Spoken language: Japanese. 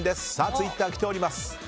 ツイッター、来ております。